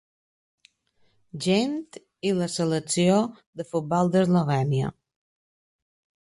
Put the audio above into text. Gent i la selecció de futbol d'Eslovènia.